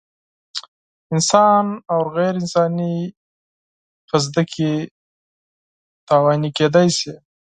انسان او غیر انساني حشراوې زیانمن کېدای شي.